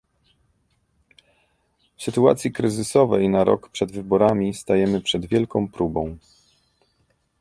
W sytuacji kryzysowej na rok przed wyborami stajemy przed wielką próbą